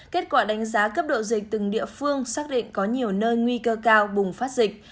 kết quả đánh giá cấp độ dịch từng địa phương xác định có nhiều nơi nguy cơ cao bùng phát dịch